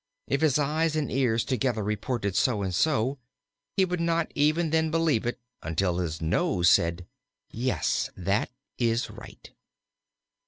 If his eyes and ears together reported so and so, he would not even then believe it until his nose said, "Yes; that is right."